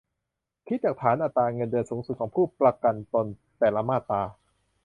คิดจากฐานอัตราเงินเดือนสูงสุดของผู้ประกันตนแต่ละมาตรา